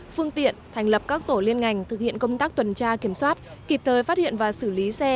phương tiện thành lập các tổ liên ngành thực hiện công tác tuần tra kiểm soát kịp thời phát hiện và xử lý xe